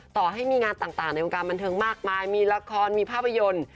ต่อให้มีงานต่างในวงการบันเทิงมากมายมีละครมีภาพยนตร์